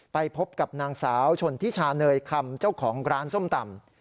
ไปพบกับนางสาวชนทิชาเนยคำเจ้าของร้านส้มตำ